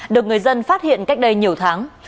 được người dân phát hiện cách đây nhiều tháng